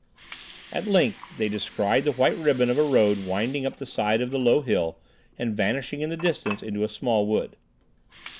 At length they descried the white ribbon of a road winding up the side of the low hill and vanishing in the distance into a small wood.